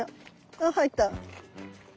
あっ入った。